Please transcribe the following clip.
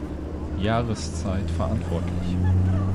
Jahreszeit verantwortlich.